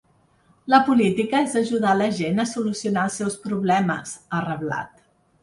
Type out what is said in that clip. La política és ajudar la gent a solucionar els seus problemes, ha reblat.